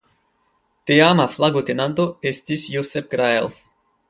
Teama flagotenanto estis "Josep Graells".